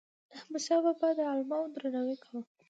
احمدشاه بابا به د علماوو درناوی کاوه.